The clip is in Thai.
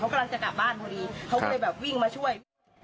เขากำลังจะกลับบ้านพอดีครับเขาไปแบบวิ่งมาช่วย